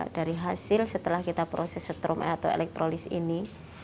dari hasil setelah kita proses setrum atau elektrolis ini